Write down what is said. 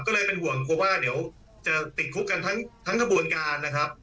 ก็เลยเป็นห่วงกลัวว่าเดี๋ยวจะติดคุกกันทั้งกระบวนการนะครับ